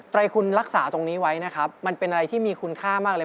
ไรคุณรักษาตรงนี้ไว้นะครับมันเป็นอะไรที่มีคุณค่ามากเลย